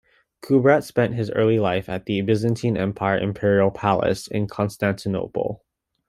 Kubrat spent his early life at the Byzantine Empire imperial palace in Constantinople.